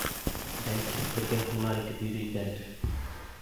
Бәлки, бергә һунар итеп йөрөйҙәрҙер.